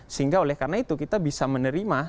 sehingga oleh karena itu kita bisa menerima